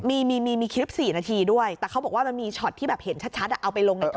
มีมีคลิปสี่นาทีด้วยแต่เขาบอกว่ามันมีช็อตที่แบบเห็นชัดชัดอะเอาไปลงบินเตอร์